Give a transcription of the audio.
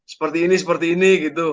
seperti ini seperti ini